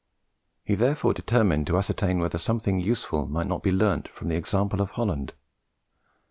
He therefore determined to ascertain whether something useful might not be learnt from the example of Holland.